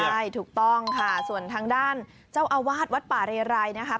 ใช่ถูกต้องค่ะส่วนทางด้านเจ้าอาวาสวัดป่าเรไรนะคะ